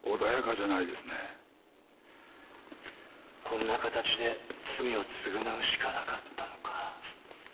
こんな形で罪を償うしかなかったのか。